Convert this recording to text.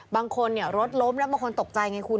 บางคนรถล้มแล้วบางคนตกใจไงคุณ